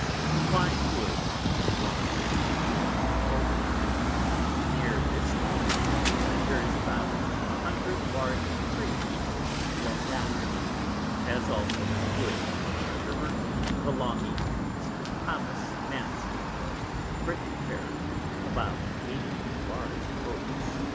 In Cline Wood belonging to the Duke of Beaufort near this Town, there is about 100 large Trees blown down; as also in a Wood on our River belonging to Mr. Thomas Mansell of Brittonferry about 80 large Oakes.